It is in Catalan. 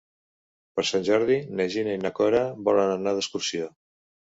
Per Sant Jordi na Gina i na Cora volen anar d'excursió.